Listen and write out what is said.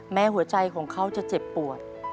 หัวใจของเขาจะเจ็บปวด